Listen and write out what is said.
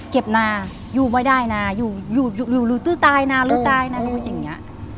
เก็บน่ะอยู่ไม่ได้น่ะอยู่อยู่อยู่หรือตื้อตายน่ะหรือตายน่ะจริงอย่างเงี้ย